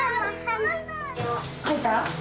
書いた？